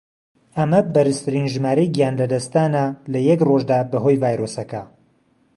ئەمە بەرزترین ژمارەی گیان لەدەستدانە لە یەک ڕۆژدا بەهۆی ڤایرۆسەکە.